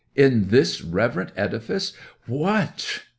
In this reverent edifice! What!"